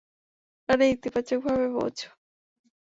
মানে ইতিবাচকভাবে বোঝো।